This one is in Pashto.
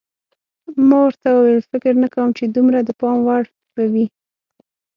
ما ورته وویل: فکر نه کوم چې دومره د پام وړ به وي.